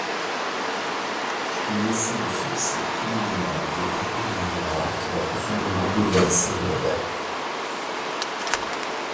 Mais c'est le succès phénoménal des Bérurier Noir qui va profondément bouleverser le label.